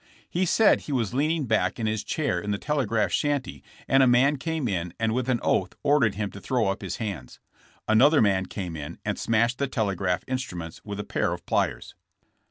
He said he was leaning back in his cliair in the telegraph shanty and a man came in and with an oath ordered him to throw up his hands. Another man came in and smashed the telegraph in struments with a pair of pliers.